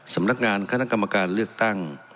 สำนักงานคณะกรรมการเลือกตั้ง